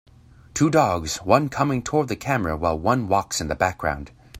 Two dogs, one coming toward the camera while one walks in the background.